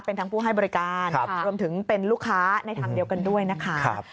เป็นทั้งผู้ให้บริการรวมถึงเป็นลูกค้าในทางเดียวกันด้วยนะคะ